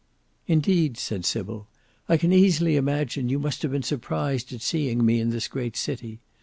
"Indeed," said Sybil, "I can easily imagine you must have been surprised at seeing me in this great city.